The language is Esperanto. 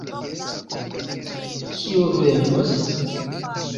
Kio venos?